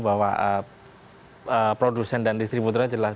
bahwa produsen dan distributornya jelas